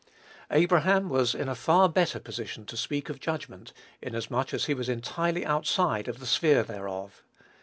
Abraham was in a far better position to speak of judgment, inasmuch as he was entirely outside of the sphere thereof.